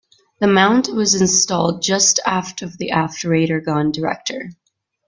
The mount was installed just aft of the aft radar gun director.